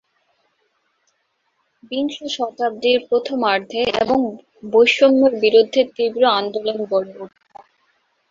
বিংশ শতাব্দীর প্রথমার্ধে এসব বৈষম্যের বিরুদ্ধে তীব্র আন্দোলন গড়ে উঠে।